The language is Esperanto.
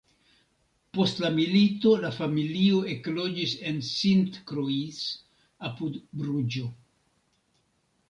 Post la milito la familio ekloĝis en Sint-Kruis, apud Bruĝo.